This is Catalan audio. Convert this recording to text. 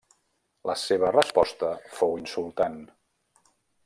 La seva resposta fou insultant.